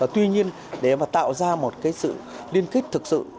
tuy nhiên để tạo ra một sự liên kết thực sự